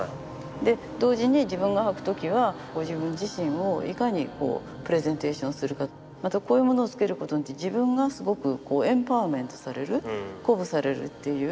で同時に自分が履く時は自分自身をいかにプレゼンテーションするかまたこういうものを着けることによって自分がすごくエンパワメントされる鼓舞されるっていう。